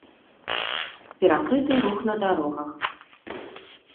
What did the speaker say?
Перакрыты рух на дарогах.